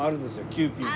キユーピーの。